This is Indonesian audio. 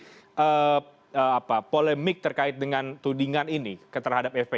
terlepas dari polemik terkait dengan tudingan ini terhadap fpi